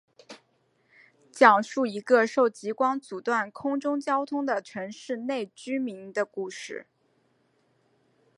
讲述一个受极光阻断空中交通的城市内居民的故事。